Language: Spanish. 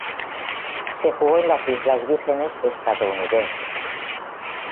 Se jugó en las Islas Vírgenes Estadounidenses